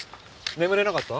眠れなかった？